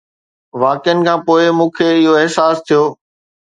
واقعن کان پوءِ مون کي اهو احساس ٿيو